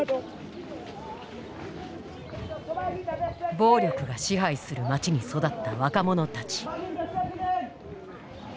暴力が支配する街に育った若者たち。